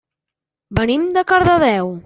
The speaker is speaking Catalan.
Venim de Cardedeu.